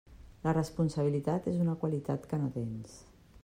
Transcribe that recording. La responsabilitat és una qualitat que no tens.